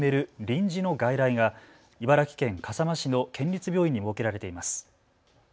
臨時の外来が茨城県笠間市の県立病院に設けられています。